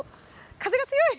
風が強い！